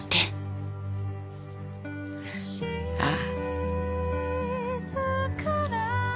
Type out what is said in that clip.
ああ。